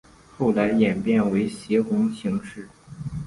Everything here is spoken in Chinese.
后来演变为斜红型式。